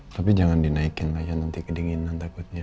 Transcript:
tapi jangan dinaikin aja nanti kedinginan takutnya